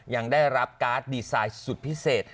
ยังได้รับการ์ดดีไซน์สุดพิเศษ